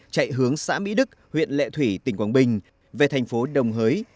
chạy hướng xã mỹ đức huyện lệ thủy tỉnh quảng bình về thành phố đồng hới